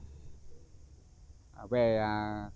em thấy khả năng của em